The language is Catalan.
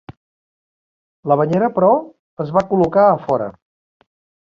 La banyera però es va col·locar a fora.